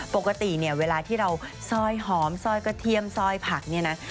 ปกติเวลาที่เราซอยหอมซอยกระเทียมซอยผัก